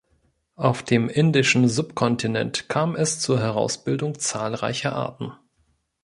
Auf dem Indischen Subkontinent kam es zur Herausbildung zahlreicher Arten.